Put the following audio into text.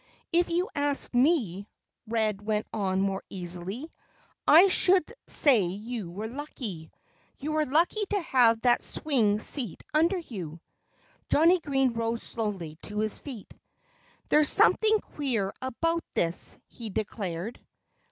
"If you ask me," Red went on more easily, "I should say you were lucky. You were lucky to have that swing seat under you." Johnnie Green rose slowly to his feet. "There's something queer about this," he declared.